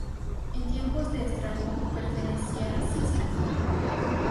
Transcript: En tiempos de Estrabón, pertenecía a Cícico.